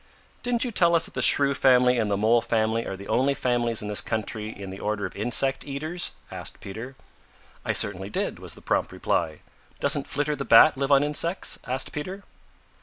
"Didn't you tell us that the Shrew family and the Mole family are the only families in this country in the order of insect eaters?" asked Peter. "I certainly did," was the prompt reply. "Doesn't Flitter the Bat live on insects?" asked Peter.